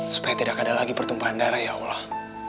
supaya tidak ada lagi pertumpahan darah ya allah